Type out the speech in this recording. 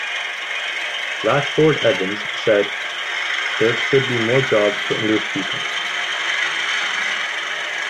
Latchford-Evans said "there should be more jobs for English people".